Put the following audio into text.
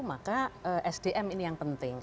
maka sdm ini yang penting